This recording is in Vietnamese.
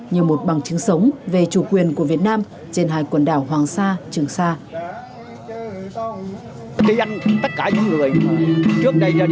như một bằng chứng sống về chủ quyền của việt nam trên hai quần đảo hoàng sa trường sa